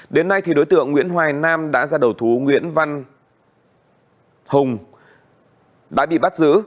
đến nay đối tượng nguyễn hoài nam đã ra đầu thú nguyễn văn hùng đã bị bắt giữ